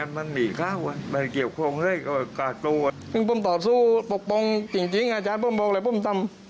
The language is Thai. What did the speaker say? มันมีข้าวอ่ะมันเกี่ยวของได้ก่อนต่อสู้ปกป้องจริงจริงอาจารย์พ่อบอกเลยพ่อมันทำ